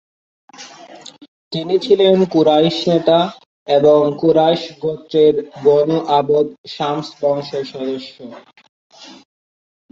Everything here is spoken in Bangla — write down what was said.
তিনি ছিলেন কুরাইশ নেতা এবং কুরাইশ গোত্রের বনু আবদ শামস বংশের সদস্য।